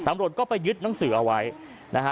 ตำรวจก็ไปยึดหนังสือเอาไว้นะฮะ